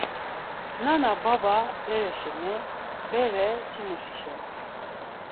Nana-baba bere şeni, bere timuşi şeni.